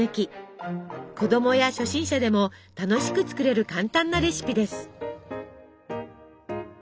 子供や初心者でも楽しく作れる簡単なレシピです。